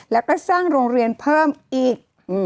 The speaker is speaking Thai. แล้วก็สร้างโรงเรียนเพิ่มอีก